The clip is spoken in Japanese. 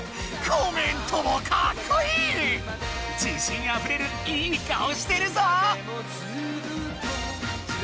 自信あふれるいい顔してるぞ！